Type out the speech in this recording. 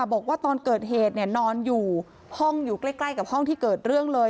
บอกว่าตอนเกิดเหตุเนี่ยนอนอยู่ห้องอยู่ใกล้กับห้องที่เกิดเรื่องเลย